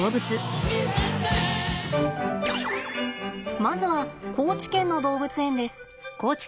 まずは高知県の動物園です。